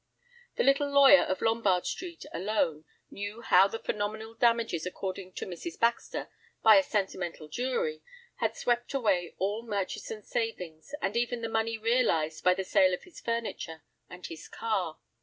The little lawyer of Lombard Street alone knew how the phenomenal damages accorded to Mrs. Baxter by a sentimental jury had swept away all Murchison's savings, and even the money realized by the sale of his furniture and his car.